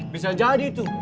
bisa jadi tuh